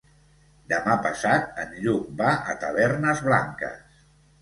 Demà passat en Lluc va a Tavernes Blanques.